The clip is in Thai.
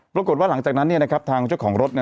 ปรากฏว่าหลังจากนั้นทางเจ้าของรถ